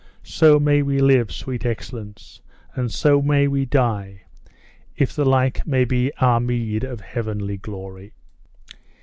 So may we live, sweet excellence; and so may we die, if the like may be our meed of heavenly glory!"